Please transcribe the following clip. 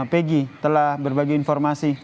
pegi telah berbagi informasi